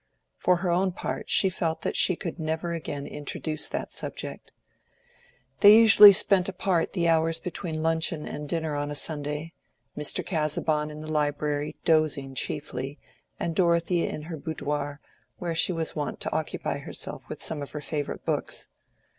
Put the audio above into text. For her own part she felt that she could never again introduce that subject. They usually spent apart the hours between luncheon and dinner on a Sunday; Mr. Casaubon in the library dozing chiefly, and Dorothea in her boudoir, where she was wont to occupy herself with some of her favorite books.